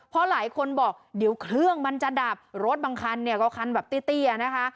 เพราะหลายคนบอกเดี๋ยวเครื่องมันจะดับรถบางคันเนี่ยก็คันแบบเตี้ยนะคะ